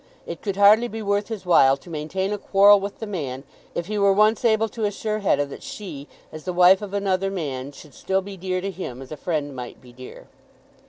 It could hardly be worth his while to maintain a quarrel with the man if he were once able to assure Hetta that she, as the wife of another man, should still be dear to him as a friend might be dear.